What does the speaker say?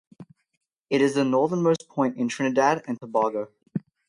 It is the northernmost point in Trinidad and Tobago.